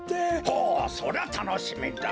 ほうそりゃたのしみだ。